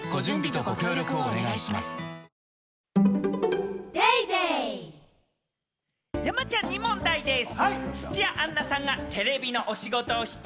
ニトリ山ちゃんに問題でぃす！